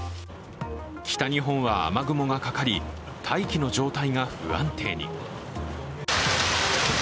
北日本は雨雲がかかり、大気の状態が不安定に。